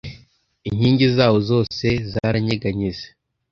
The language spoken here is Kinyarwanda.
inkingi zaho zose zaranyeganyeze